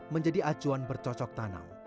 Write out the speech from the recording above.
menjadi acuan bercocok tanam